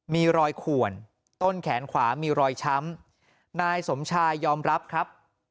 มีรอยขวนต้นแขนขวามีรอยช้ำนายสมชายยอมรับครับ